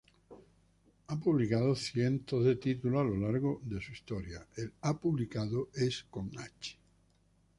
A publicado cientos de títulos a lo largo de si historia.